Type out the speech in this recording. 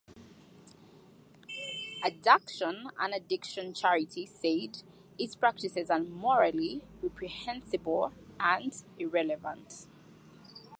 Addaction, an addiction charity, said its practices are "morally reprehensible and irrelevant".